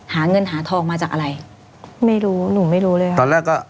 หาเงินหาทองมาจากอะไรไม่รู้หนูไม่รู้เลยค่ะตอนแรกก็